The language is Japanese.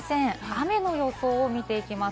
雨の予想を見ていきます。